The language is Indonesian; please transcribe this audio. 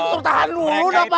tertahan dulu udah pak